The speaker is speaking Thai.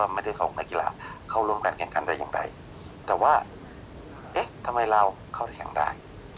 ไม่ได้ส่งนักกีฬาเข้าร่วมการแข่งขันแต่อย่างใดแต่ว่าเอ๊ะทำไมเราเข้าแข่งได้